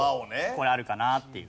これあるかなっていう。